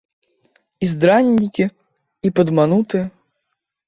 І здраднікі, і падманутыя.